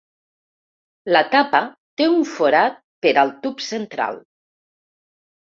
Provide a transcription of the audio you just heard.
La tapa té un forat per al tub central.